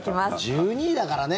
１２位だからね。